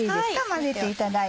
混ぜていただいて。